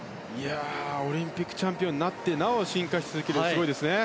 オリンピックチャンピオンになってなお進化し続けてすごいですね。